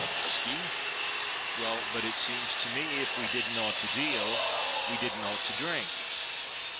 "Whisky? Well, but it seems to me if we didn't ought to deal we didn't ought to drink."